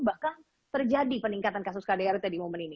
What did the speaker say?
bahkan terjadi peningkatan kasus kdr tadi momen ini